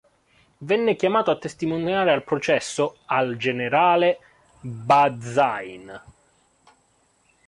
Venne chiamato a testimoniare al processo al generale Bazaine.